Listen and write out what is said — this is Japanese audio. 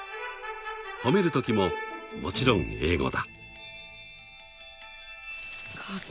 ［褒めるときももちろん英語だ］